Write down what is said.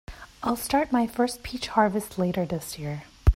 I'll start my first peach harvest later this year.